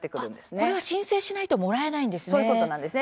これは申請しないともらえないんですね。